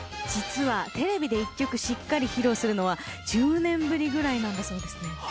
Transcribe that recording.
実はテレビで一曲しっかり披露するのは１０年ぶりぐらいなんだそうですね。